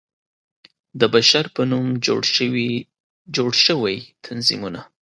د بشر په نوم جوړ شوى تنظيمونه